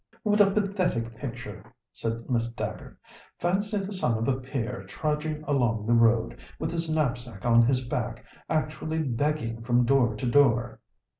"What a pathetic picture," said Miss Dacre; "fancy the son of a peer trudging along the road, with his knapsack on his back, actually begging from door to door!"